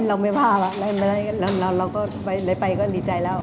เรายังไม่้ภาพแล้วไปก็ดีใจแล้ว